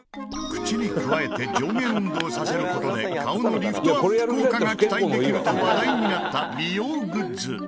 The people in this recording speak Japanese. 口にくわえて上下運動させる事で顔のリフトアップ効果が期待できると話題になった美容グッズ。